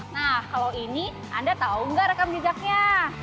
nah kalau ini anda tahu nggak rekam jejaknya